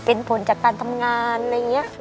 เป็นผลจากการทำงานอะไรอย่างนี้